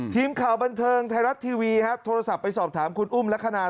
ทีมข่าวบันเทิงไทยรัฐทีวีโทรศัพท์ไปสอบถามคุณอุ้มลักษณะ